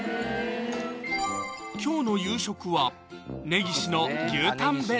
今日の夕食はねぎしの牛タン